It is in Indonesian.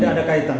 tidak ada kaitan